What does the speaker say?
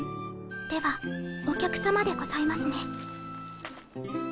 ではお客様でございますね。